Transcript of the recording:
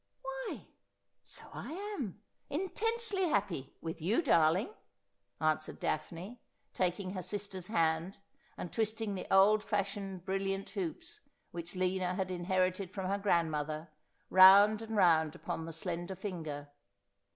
' Why, so I am — intensely happy — with you, darling,' an swered Daphne, taking her sister's hand, and twisting the old fashioned brilliant hoops, which Lina had inherited from her grandmother, round and round upon the slender finger.